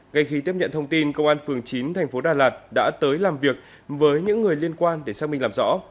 ngay khi tiếp nhận thông tin công an phường chín thành phố đà lạt đã tới làm việc với những người liên quan để xác minh làm rõ